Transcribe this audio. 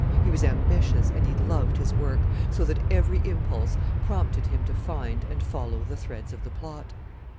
He was ambitious, and he loved his work, so that every impulse prompted him to find and follow the threads of the plot.